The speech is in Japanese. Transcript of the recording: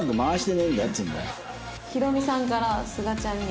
「ヒロミさんからすがちゃんに」